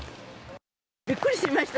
びっくりしました。